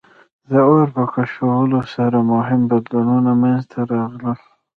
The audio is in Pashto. د اور په کشفولو سره مهم بدلونونه منځ ته راغلل.